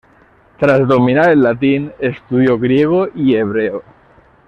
Tras dominar el latín estudió griego y hebreo.